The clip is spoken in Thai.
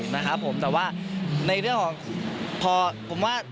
นะครับผมแต่ว่า